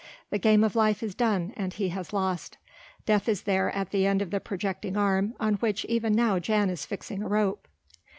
The game of life is done and he has lost. Death is there at the end of the projecting arm on which even now Jan is fixing a rope.